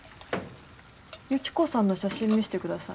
由紀子さんの写真見せてください。